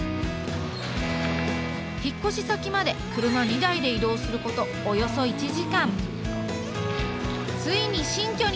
引っ越し先まで車２台で移動することおよそ１時間ついに新居に到着！